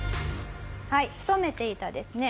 勤めていたですね